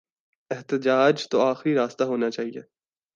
احتجاج تو آخری راستہ ہونا چاہیے۔